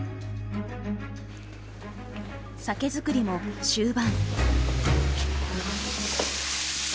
酒造りも終盤。